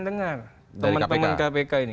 dengar teman teman kpk ini